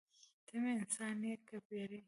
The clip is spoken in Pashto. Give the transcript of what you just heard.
ته مې انسان یې که پیری.